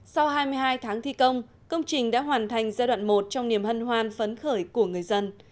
sau hai mươi hai tháng thi công công trình đã hoàn thành giai đoạn một trong niềm hân hoan phấn khởi của người dân